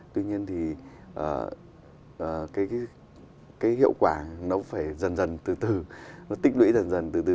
tuy nhiên thì hiệu quả nó cũng phải dần dần từ từ tích lũy dần dần từ từ